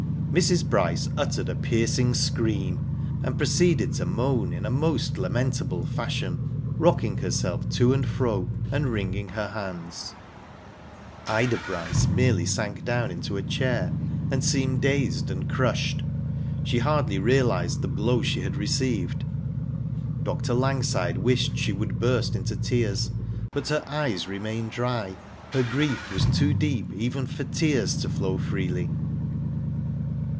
Mrs. Bryce uttered a piercing scream, and proceeded to moan in a most lamentable fashion, rocking herself to and fro and wringing her hands. Ida Bryce merely sank down into a chair, and seemed dazed and crushed. She hardly realised the blow she had received. Dr. Langside wished she would burst into tears, but her eyes remained dry. Her grief was too •deep even for tears to flow freely.